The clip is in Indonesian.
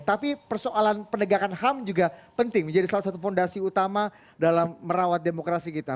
tapi persoalan penegakan ham juga penting menjadi salah satu fondasi utama dalam merawat demokrasi kita